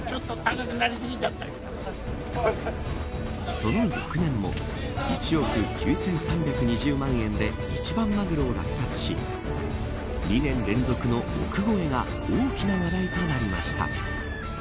その翌年も１億９３２０万円で一番マグロを落札し２年連続の億超えが大きな話題となりました。